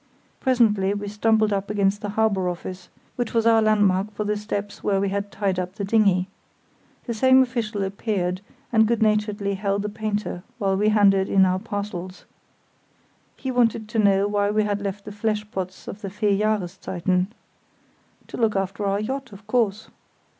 Presently we stumbled up against the Harbour Office, which was our landmark for the steps where we had tied up the dinghy. The same official appeared and good naturedly held the painter while we handed in our parcels. He wanted to know why we had left the flesh pots of the "Vier Jahreszeiten". To look after our yacht, of course.